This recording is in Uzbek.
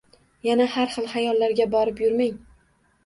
Yana har xil xayollarga borib yurmang